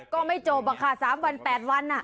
ก็ไม่จบอะค่ะ๓วัน๘วัน